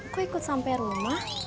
kok ikut sampe rumah